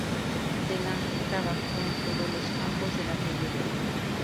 De Lange trabajó en todos los campos de la pediatría.